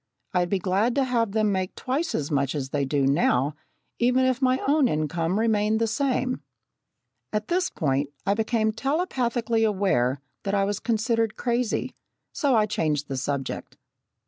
I'd be glad to have them make twice as much as they do now, even if my own income remained the same." At this point, I became telepathically aware that I was considered crazy, so I changed the subject.